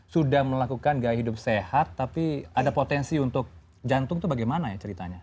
sudah melakukan gaya hidup sehat tapi ada potensi untuk jantung itu bagaimana ya ceritanya